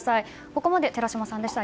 ここまで寺嶋さんでした。